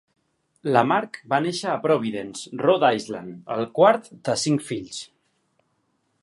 LaMarche va néixer a Providence, Rhode Island, el quart de cinc fills.